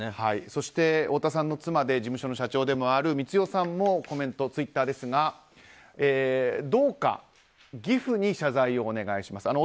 太田さんの妻で事務所の社長でもある光代さんもコメント、ツイッターですがどうか義父に謝罪をお願いします。